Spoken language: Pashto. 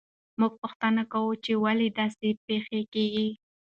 موږ پوښتنه کوو چې ولې داسې پېښې کیږي.